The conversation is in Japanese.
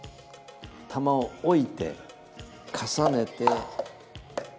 玉を置いて重ねて。